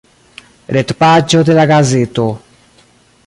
Retpaĝo de la gazeto.